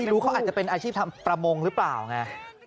รู้เขาอาจจะเป็นอาชีพทำประมงหรือเปล่าไง